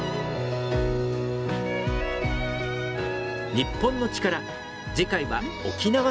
『日本のチカラ』次回は沖縄県。